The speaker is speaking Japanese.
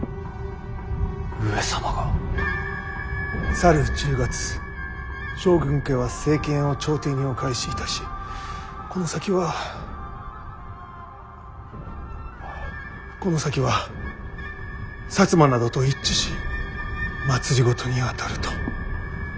「去る１０月将軍家は政権を朝廷にお返しいたしこの先はこの先は摩などと一致し政にあたる」と。